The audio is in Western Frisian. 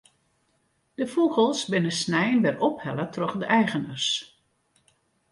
De fûgels binne snein wer ophelle troch de eigeners.